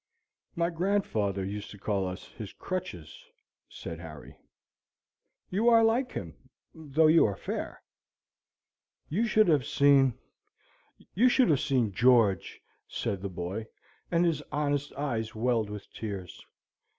"My grandfather used to call us his crutches," said Harry. "You are like him, though you are fair." "You should have seen you should have seen George," said the boy, and his honest eyes welled with tears.